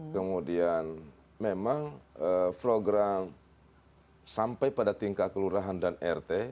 kemudian memang program sampai pada tingkat kelurahan dan rt